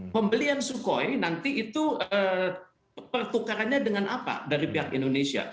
pembelian sukhoi nanti itu pertukarannya dengan apa dari pihak indonesia